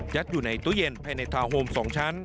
อยู่ในตู้เย็นภายในทาวน์โฮม๒ชั้น